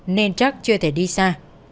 nên chắc chưa thể đi xa